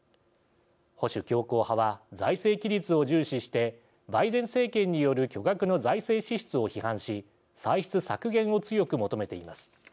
保守強硬派は財政規律を重視してバイデン政権による巨額の財政支出を批判し歳出削減を強く求めています。